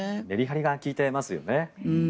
メリハリが利いていますよね。